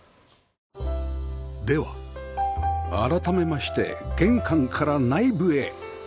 では改めまして玄関から内部へ